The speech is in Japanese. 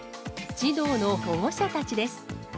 児童の保護者たちです。